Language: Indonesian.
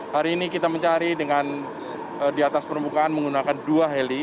hari ini kita mencari dengan di atas permukaan menggunakan dua heli